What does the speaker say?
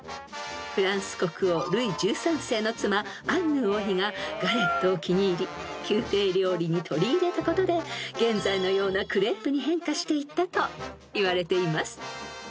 ［フランス国王ルイ１３世の妻アンヌ王妃がガレットを気に入り宮廷料理に取り入れたことで現在のようなクレープに変化していったといわれています］